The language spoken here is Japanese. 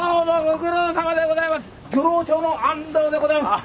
漁労長の安藤でございます。